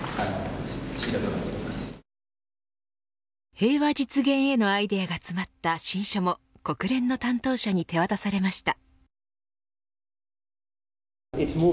平和実現へのアイデアが詰まった親書も国連の担当者に手渡されました。